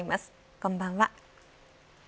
こんばんは。